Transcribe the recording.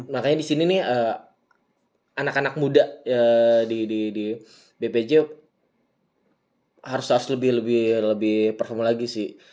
makanya disini nih anak anak muda di bpj harus harus lebih performa lagi sih